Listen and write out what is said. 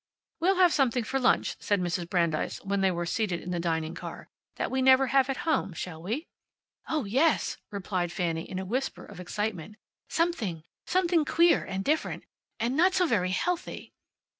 "We'll have something for lunch," said Mrs. Brandeis when they were seated in the dining car, "that we never have at home, shall we?" "Oh, yes!" replied Fanny in a whisper of excitement. "Something something queer, and different, and not so very healthy!"